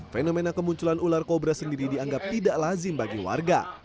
fenomena kemunculan ular kobra sendiri dianggap tidak lazim bagi warga